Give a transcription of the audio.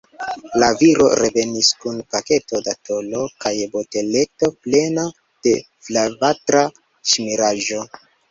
La viro revenis kun paketo da tolo kaj boteleto plena de flavatra ŝmiraĵo.